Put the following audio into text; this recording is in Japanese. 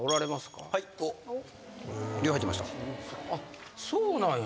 あっそうなんや。